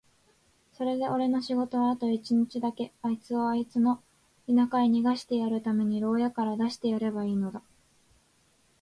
それでおれの仕事はあと一日だけ、あいつをあいつの田舎へ逃してやるために牢屋から出してやればいいのだ。